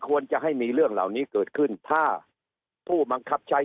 ควรจะให้มีเรื่องเหล่านี้เกิดขึ้นถ้าผู้บังคับใช้